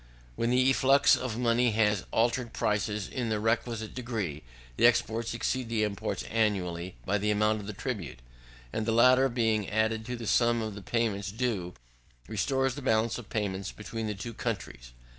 When the efflux of money has altered prices in the requisite degree, the exports exceed the imports annually, by the amount of the tribute; and the latter, being added to the sum of the payments due, restores the balance of payments between the two countries.